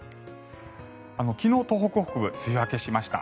昨日、東北北部梅雨明けしました。